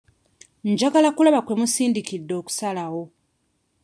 Njagala kulaba kwe musinzidde okusalawo.